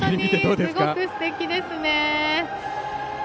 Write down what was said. すごくすてきですね。